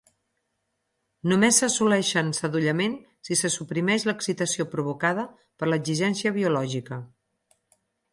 Només assoleixen sadollament si se suprimeix l'excitació provocada per l'exigència biològica.